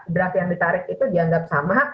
draft yang ditarik itu dianggap sama